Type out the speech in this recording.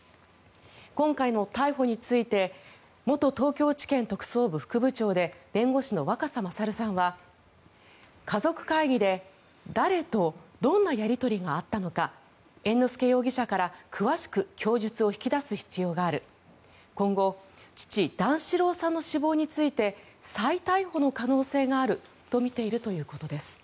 今回の逮捕について元東京地検特捜部副部長で弁護士の若狭勝さんは家族会議で誰とどんなやり取りがあったのか猿之助容疑者から詳しく供述を引き出す必要がある今後父・段四郎さんの死亡について再逮捕の可能性があるとみているということです。